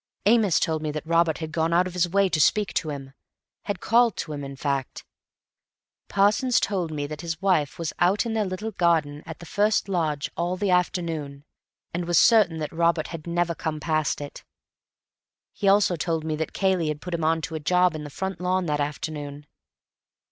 Amos told me that Robert had gone out of his way to speak to him; had called to him, in fact. Parsons told me that his wife was out in their little garden at the first lodge all the afternoon, and was certain that Robert had never come past it. He also told me that Cayley had put him on to a job on the front lawn that afternoon.